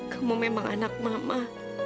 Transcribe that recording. kamu memang anak mama